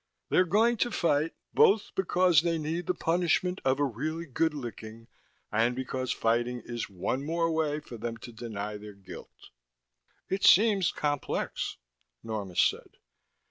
They're going to fight both because they need the punishment of a really good licking, and because fighting is one more way for them to deny their guilt." "It seems complex," Norma said.